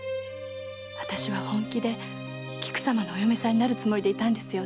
あたしは本気で菊様のお嫁さんになるつもりでいたんですよね。